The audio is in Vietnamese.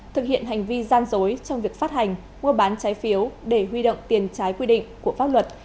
thực hiện hành vi gian dối trong việc phát hành mua bán trái phiếu để huy động tiền trái quy định của pháp luật